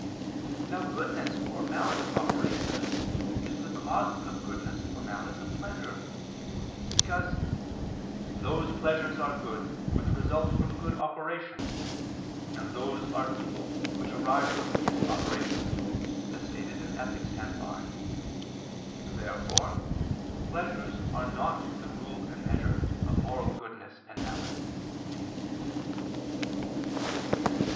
Now goodness or malice of operation is the cause of goodness or malice of pleasure: because "those pleasures are good which result from good operations, and those are evil which arise from evil operations," as stated in Ethic. x, 5. Therefore pleasures are not the rule and measure of moral goodness and malice.